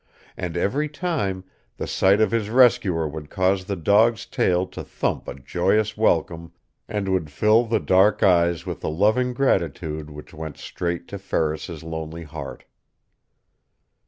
And, every time, the sight of his rescuer would cause the dog's tail to thump a joyous welcome and would fill the dark eyes with a loving gratitude which went straight to Ferris's lonely heart.